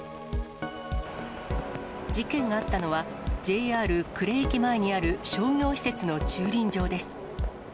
事件があったのは、ＪＲ呉駅前にある商業施設の駐輪場です。